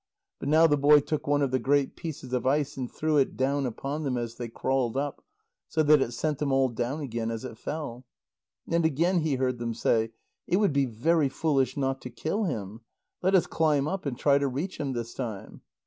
But now the boy took one of the great pieces of ice and threw it down upon them as they crawled up, so that it sent them all down again as it fell. And again he heard them say: "It would be very foolish not to kill him. Let us climb up, and try to reach him this time."